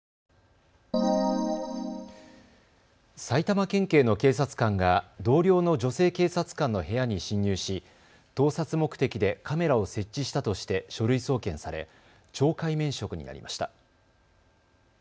埼玉県警の警察官が同僚の女性警察官の部屋に侵入し盗撮目的でカメラを設置したとして書類送検され懲戒免職になりました。